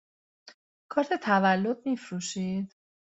کارت تولد می فروشید؟